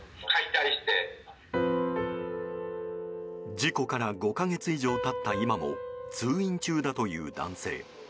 事故から５か月以上経った今も通院中だという男性。